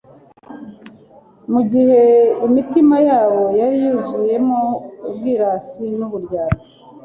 mu gihe imitima yabo yari yuzuwemo n'ubwirasi n'uburyarya.